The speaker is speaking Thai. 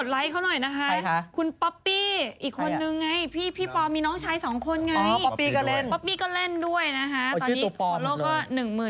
ไม่เอาคุณจะซื้อระเตอรี่อย่างกับคุณจะซื้อ